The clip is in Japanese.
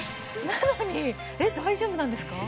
なのにえっ大丈夫なんですか？